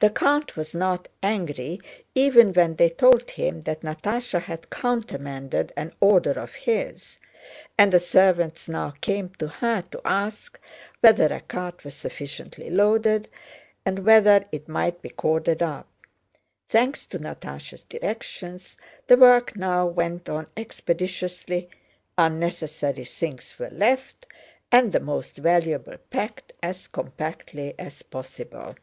The count was not angry even when they told him that Natásha had countermanded an order of his, and the servants now came to her to ask whether a cart was sufficiently loaded, and whether it might be corded up. Thanks to Natásha's directions the work now went on expeditiously, unnecessary things were left, and the most valuable packed as compactly as possible.